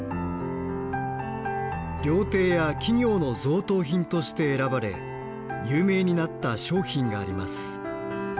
料亭や企業の贈答品として選ばれ有名になった商品があります。